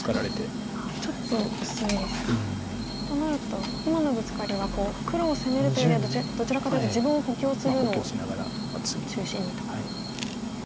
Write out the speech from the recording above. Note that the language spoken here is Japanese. となると今のブツカリは黒を攻めるというよりはどちらかというと自分を補強するのを中心にと。補強しながら次。